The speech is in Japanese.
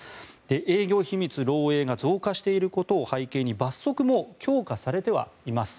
営業秘密漏えいが増加していることを背景に罰則も強化されてはいます。